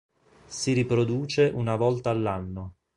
Si riproduce una volta all'anno.